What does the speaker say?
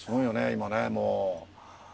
今ねもう。